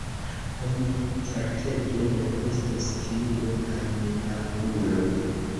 Ho, mi, certege, nur estus timulo kaj netaŭgulo!